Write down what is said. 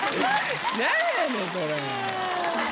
何やねんこれ。